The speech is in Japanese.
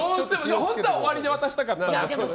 本当は終わりに渡したかったんです。